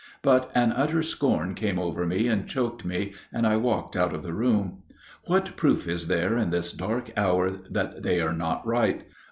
But an utter scorn came over me and choked me, and I walked out of the room. What proof is there in this dark hour that they are not right?